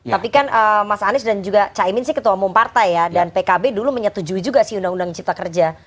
tapi kan mas anies dan juga caimin sih ketua umum partai ya dan pkb dulu menyetujui juga sih undang undang cipta kerja